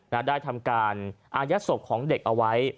และได้ทำการอายัดศพของเด็กเอาไว้